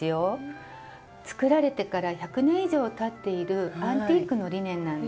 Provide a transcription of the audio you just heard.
作られてから１００年以上たっているアンティークのリネンなんです。